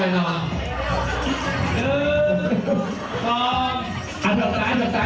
อยากถ่ายรูปก็ทำด้วยนะครับ